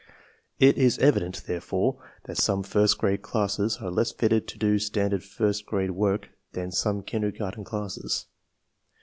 It is evident, therefore, that some first grade classes are less fitted to do standard first grade work than some kindergarten classes.